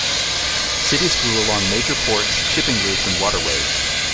Cities grew along major ports, shipping routes, and waterways.